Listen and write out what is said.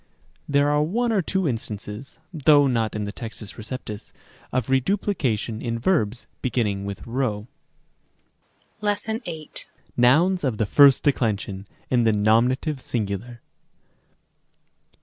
There are one or two instances, though not in the T. R., of reduplication in verbs beginning with p. §8. Nouns of the first declension, in the nominative sin gular.